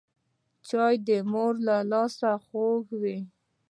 چای د مور له لاسه خوږ وي